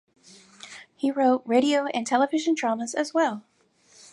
He wrote radio and television dramas as well.